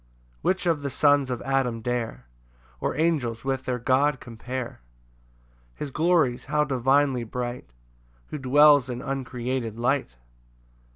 3 Which of the sons of Adam dare, Or angels, with their God compare? His glories how divinely bright, Who dwells in uncreated light!